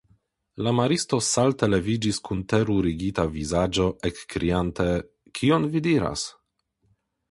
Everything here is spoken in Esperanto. La maristo salte leviĝis kun terurigita vizaĝo, ekkriante:Kion vi diras!